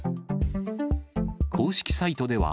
公式サイトでは、